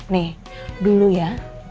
nih dulu ya